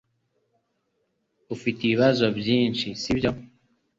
Ufite ibibazo byinshi, sibyo?